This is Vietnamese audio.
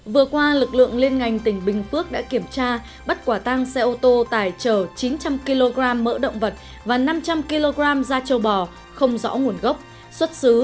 vừa qua lực lượng liên ngành tỉnh bình phước đã kiểm tra bắt quả tăng xe ô tô tài trở chín trăm linh kg mỡ động vật và năm trăm linh kg da trâu bò không rõ nguồn gốc